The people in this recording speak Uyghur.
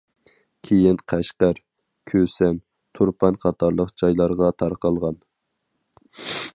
كېيىن قەشقەر، كۈسەن، تۇرپان قاتارلىق جايلارغا تارقالغان.